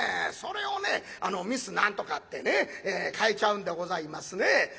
それをねミス何とかってね変えちゃうんでございますね。